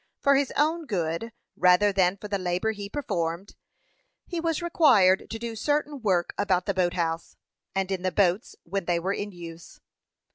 For his own good, rather than for the labor he performed, he was required to do certain work about the boat house, and in the boats when they were in use.